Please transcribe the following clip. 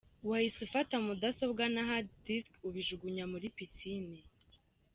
Wahise ufata mudasobwa na hard disk ubijugunya muri pisine”.